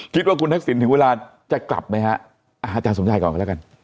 คิดว่าคุณทักษิณถึงเวลาจะกลับไหมฮะอาจารย์สมชัยก่อนก็แล้วกัน